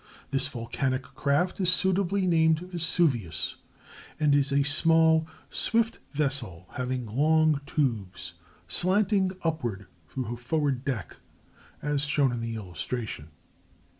This volcanic craft is suitably named Vesuvius, and is a small, swift vessel having long tubes slanting upward through her forward deck, as shown in the illustration.